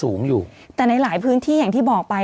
ศูนย์อุตุนิยมวิทยาภาคใต้ฝั่งตะวันอ่อค่ะ